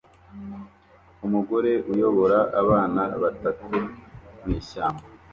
Umugore uyobora abana batatu mwishyamba